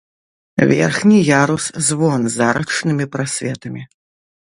Верхні ярус-звон з арачнымі прасветамі.